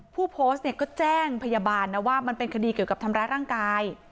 ผู้โพสต์เนี่ยก็แจ้งพยาบาลนะว่ามันเป็นคดีเกี่ยวกับทำร้ายร่างกาย